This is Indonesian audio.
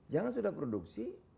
jangan sudah produksi